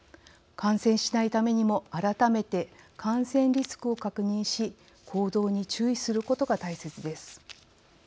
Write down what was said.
感染しないためにも、改めて感染リスクを確認し行動に注意することが大切です。